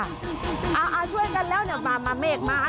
ช่วยกันแล้วเนี่ยมาเมฆมา